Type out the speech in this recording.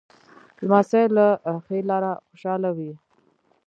لمسی له ښې لاره خوشحاله وي.